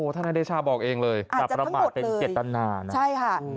ท่านไอนเดช่าบอกเองเลยกระทำการโดยเจตนา